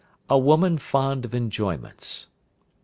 A woman fond of enjoyments.